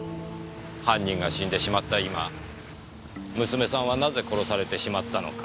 犯人が死んでしまった今娘さんはなぜ殺されてしまったのか？